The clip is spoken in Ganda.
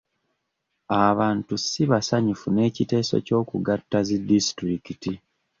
Abantu si basanyufu n'ekiteeso ky'okugatta zi disitulikiti .